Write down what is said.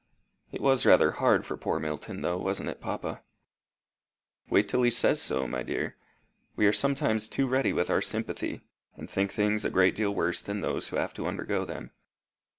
"It was rather hard for poor Milton, though, wasn't it, papa?" "Wait till he says so, my dear. We are sometimes too ready with our sympathy, and think things a great deal worse than those who have to undergo them.